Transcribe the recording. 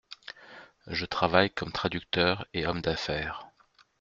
Je travaille comme traducteur et homme d’affaires.